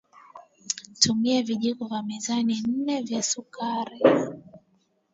tumia Vijiko vya mezani nne vya sukari